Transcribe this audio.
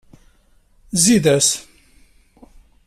Zeyyed-as.